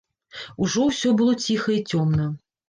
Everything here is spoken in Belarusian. Ужо ўсё было ціха і цёмна.